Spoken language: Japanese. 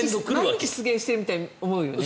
毎日失言してるみたいに思うよね。